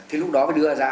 thì lúc đó mới đưa ra